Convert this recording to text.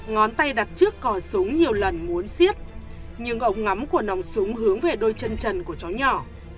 ngón tay đặt trước cỏ súng nhiều lần muốn xiết nhưng ống ngắm của nòng súng hướng về đôi chân trần của chó nhỏ